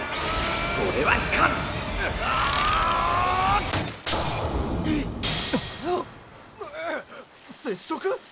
オレは勝つ！接触？